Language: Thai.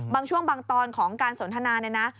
บางช่วงบางตอนของการสนทนา